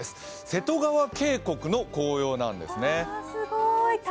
瀬戸川渓谷の紅葉なんですね。